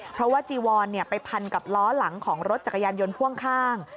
เพราะว่าจีวอนไปพันกับล้อหลังของรถจักรยานยนต์พ่วงข้าง